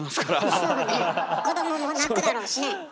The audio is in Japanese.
そうね子供も泣くだろうしね。